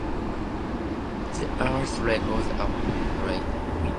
The earliest records are fl.